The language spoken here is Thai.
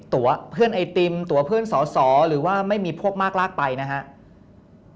ตัวเพื่อนไอติมตัวเพื่อนสอสอหรือว่าไม่มีพวกมากลากไปนะครับ